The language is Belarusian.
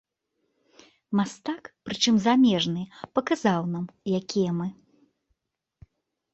Мастак, прычым замежны, паказаў нам, якія мы.